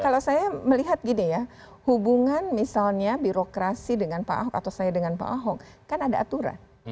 kalau saya melihat gini ya hubungan misalnya birokrasi dengan pak ahok atau saya dengan pak ahok kan ada aturan